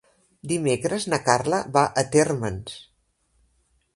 Dimecres na Carla va a Térmens.